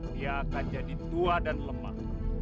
dia akan jadi tua dan lemah